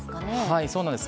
そうなんです。